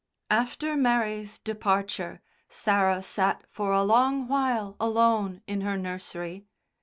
After Mary's departure Sarah sat for a long while alone in her nursery.